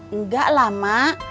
enggak lah mak